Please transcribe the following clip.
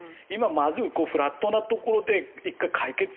まずフラットなところで１回解決。